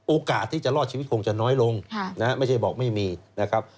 โอกาสที่จะรอดชีวิตคงจะน้อยลงไม่ใช่บอกไม่มีนะครับ